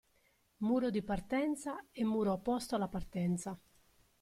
Muro di partenza e muro opposto alla partenza.